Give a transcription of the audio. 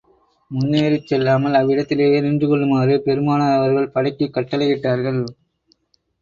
முன்னேறிச் செல்லாமல், அவ்விடத்திலேயே நின்று கொள்ளுமாறு பெருமானார் அவர்கள் படைக்குக் கட்டளை இட்டார்கள்.